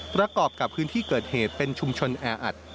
ประกอบกับพื้นที่เกิดเหตุเป็นชุมชนแออัด